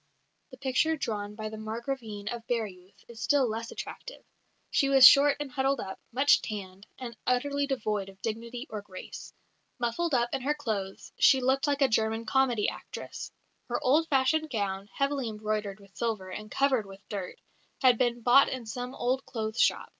The picture drawn by the Margravine of Baireuth is still less attractive: "She was short and huddled up, much tanned, and utterly devoid of dignity or grace. Muffled up in her clothes, she looked like a German comedy actress. Her old fashioned gown, heavily embroidered with silver, and covered with dirt, had been bought in some old clothes shop.